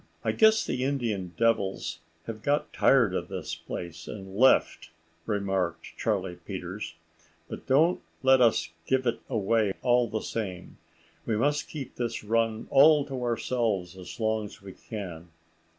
"I guess the Indian devils have got tired of this place and left," remarked Charlie Peters. "But don't let us give it away all the same. We must keep this run all to ourselves as long as we can."